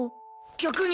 逆に！